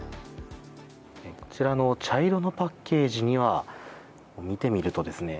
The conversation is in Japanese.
こちらの茶色のパッケージには見てみるとですね